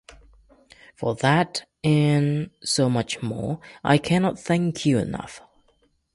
For that, and so much more, I cannot thank you enough.